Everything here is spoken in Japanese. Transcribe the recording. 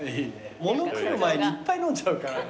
もの来る前にいっぱい飲んじゃうから。